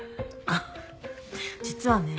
あっ実はね